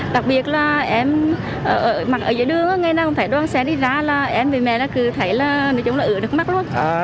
đặc biệt là em mặc ở dưới đường ngày nào cũng phải đoan xe đi ra là em về mẹ cứ thấy là mình trông là ửa đứt mắt luôn